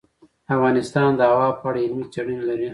افغانستان د هوا په اړه علمي څېړنې لري.